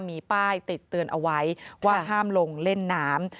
มีป้ายติดเตือนเอาไว้ว่าห้ามลงเล่นน้ำ